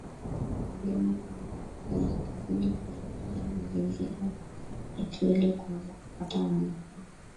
Ni vyema tukajitahidi kuyatunza mazingira yetu ili kuweza kupata manufaa